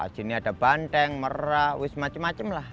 jini ada banteng merah wismacam macam lah